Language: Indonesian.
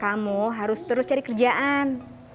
kamu harus terus cari kerjaan